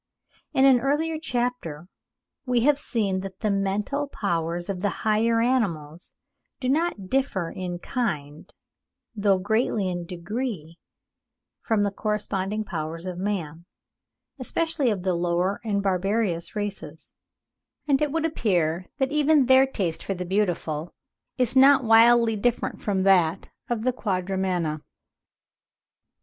In an earlier chapter we have seen that the mental powers of the higher animals do not differ in kind, though greatly in degree, from the corresponding powers of man, especially of the lower and barbarous races; and it would appear that even their taste for the beautiful is not widely different from that of the Quadrumana.